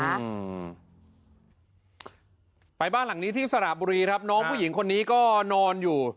อืมไปบ้านหลังนี้ที่สระบุรีครับน้องผู้หญิงคนนี้ก็นอนอยู่